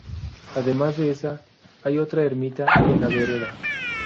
Además de esa, hay otra ermita en la Vereda.